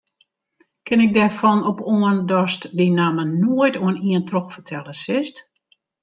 Kin ik derfan op oan datst dy namme noait oan ien trochfertelle silst?